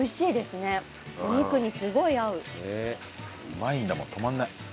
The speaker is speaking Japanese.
うまいんだもん止まらない。